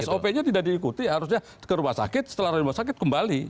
sop nya tidak diikuti harusnya ke rumah sakit setelah rumah sakit kembali